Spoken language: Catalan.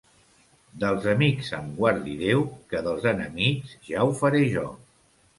Dels amics em guardi Déu, que dels enemics ja ho faré jo.